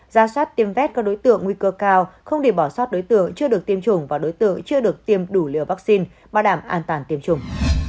ra soát tiêm vét các đối tượng nguy cơ cao không để bỏ sót đối tượng chưa được tiêm chủng và đối tượng chưa được tiêm đủ liều vaccine bảo đảm an toàn tiêm chủng